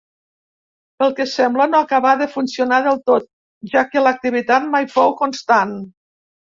Pel que sembla, no acabà de funcionar del tot, ja que l'activitat mai fou constant.